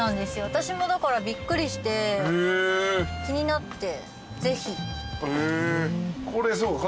私もだからびっくりして気になってぜひ。